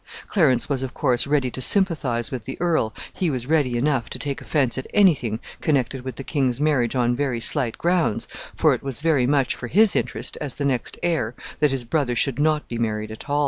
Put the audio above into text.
Clarence was, of course, ready to sympathize with the earl. He was ready enough to take offense at any thing connected with the king's marriage on very slight grounds, for it was very much for his interest, as the next heir, that his brother should not be married at all.